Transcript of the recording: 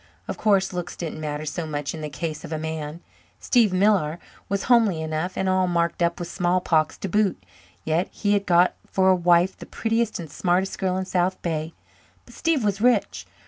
Of course looks didn't matter so much in the case of a man; Steve Millar was homely enough, and all marked up with smallpox to boot, yet he had got for wife the prettiest and smartest girl in South Bay. But Steve was rich.